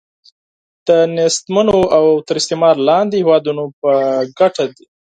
د نېستمنو او تر استعمار لاندې هیوادونو په ګټه دی.